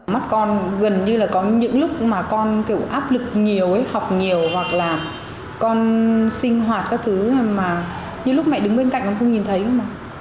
mắt con gần như là có những lúc mà con kiểu áp lực nhiều học nhiều hoặc là con sinh hoạt các thứ mà như lúc mẹ đứng bên cạnh nó không nhìn thấy không ạ